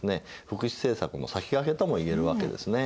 福祉政策の先駆けともいえるわけですね。